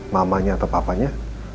mamanya atau papanya